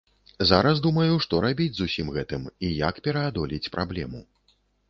Зараз думаю, што рабіць з усім гэтым і як пераадолець праблему.